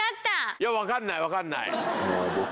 いや分かんない分かんない。